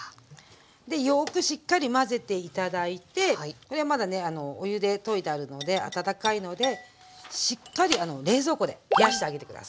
でよくしっかり混ぜて頂いてこれはまだねお湯で溶いてあるので温かいのでしっかり冷蔵庫で冷やしてあげて下さい。